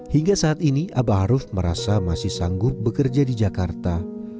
hingga saat ini abah aruf merasa masih sanggup bekerja di jakarta